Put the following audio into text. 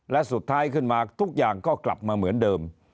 และสุดท้ายขึ้นมาทุกอย่างก็กลับมาเหมือนเดิม